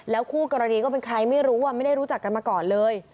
คู่กรณีก็เป็นใครไม่รู้ไม่ได้รู้จักกันมาก่อนเลย